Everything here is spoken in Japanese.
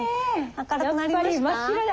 明るくなりました？